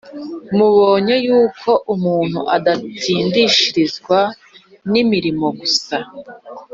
Mubonye yuko umuntu adatsindishirizwa n’imirimo gusa,